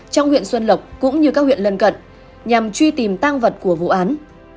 trong huyện xuân lộc cũng như các huyện lân cận nhằm truy tìm tăng vật của vụ án